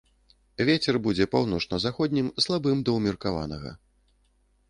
Вецер будзе паўночна-заходнім, слабым да ўмеркаванага.